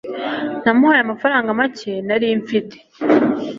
namuhaye amafaranga make nari mfite